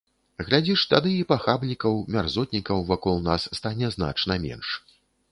Глядзіш, тады і пахабнікаў, мярзотнікаў вакол нас стане значна менш.